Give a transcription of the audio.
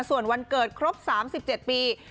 ส่วนวันเกิดครบ๓๗ปี